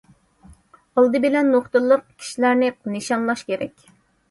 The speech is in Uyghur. ئالدى بىلەن، نۇقتىلىق كىشىلەرنى نىشانلاش كېرەك.